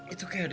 aja kepada allah